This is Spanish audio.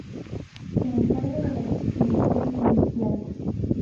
Se encarga de la investigación inicial.